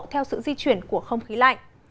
theo sự di chuyển của không khí lạnh